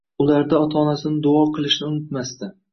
ularda ota-onasini duo qilishni unutmasdi.